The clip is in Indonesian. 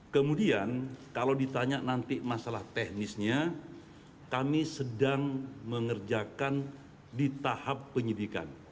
kemudian kalau ditanya nanti masalah teknisnya kami sedang mengerjakan di tahap penyidikan